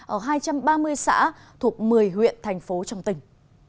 ở hai trăm ba mươi xã thuộc một mươi huyện thành phố trong tỉnh